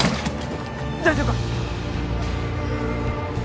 大丈夫か？